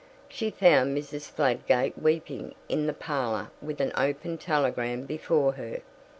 She found Mrs. Fladgate weeping in the parlour with an open telegram before her.